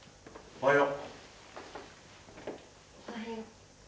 おはよう。